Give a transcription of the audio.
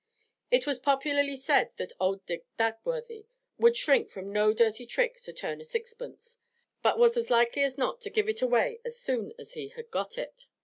It was popularly said that 'owd Dick Dagworthy' would shrink from no dirty trick to turn a sixpence, but was as likely as not to give it away as soon as he had got it.